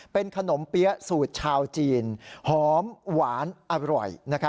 เป็นขนมเปี๊ยะสูตรชาวจีนหอมหวานอร่อย